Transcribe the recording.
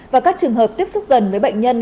và các trường hợp tiếp xúc gần với bệnh nhân